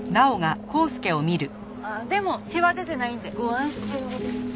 でも血は出てないんでご安心を。